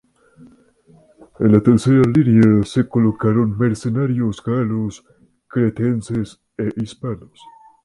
En la tercera línea se colocaron mercenarios galos, cretenses e hispanos.